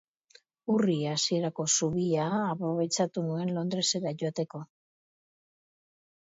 Urri hasierako zubia aprobetxatu nuen Londresera joateko.